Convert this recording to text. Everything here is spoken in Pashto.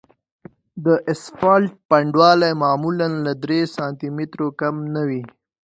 د اسفالټ پنډوالی معمولاً له درې سانتي مترو کم نه وي